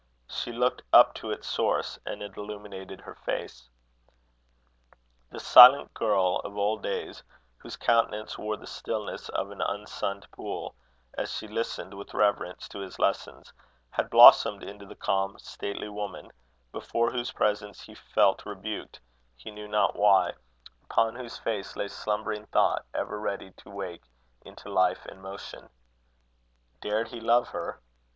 She looked up to its source, and it illuminated her face. The silent girl of old days, whose countenance wore the stillness of an unsunned pool, as she listened with reverence to his lessons, had blossomed into the calm, stately woman, before whose presence he felt rebuked he knew not why, upon whose face lay slumbering thought, ever ready to wake into life and motion. Dared he love her?